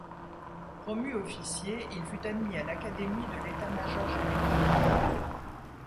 Promu officier, il fut admis à l'Académie de l'état-major général.